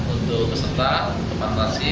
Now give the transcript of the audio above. untuk peserta tempat transi